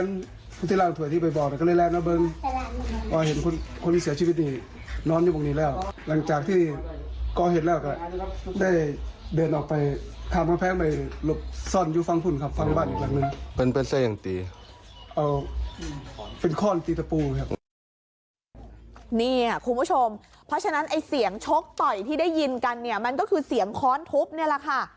นี่คุณผู้ชมเพราะฉะนั้นไอ้เสียงชกต่อยที่ได้ยินกันเนี่ยมันก็คือเสียงค้อนทุบนี่แหละค่ะ